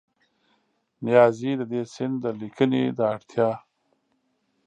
نیازي د دې سیند د لیکنې د اړتیا